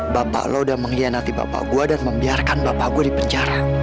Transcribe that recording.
bapak lo sudah mengkhianati bapak gue dan membiarkan bapak gue di penjara